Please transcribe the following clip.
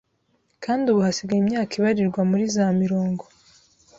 kandi ubu hasigaye imyaka ibarirwa muri za mirongo